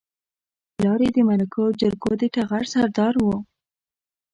پلار يې د مرکو او جرګو د ټغر سردار و.